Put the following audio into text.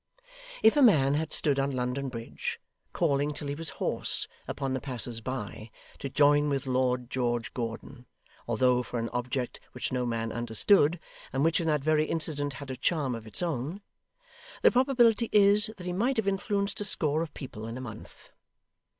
If a man had stood on London Bridge, calling till he was hoarse, upon the passers by, to join with Lord George Gordon, although for an object which no man understood, and which in that very incident had a charm of its own, the probability is, that he might have influenced a score of people in a month.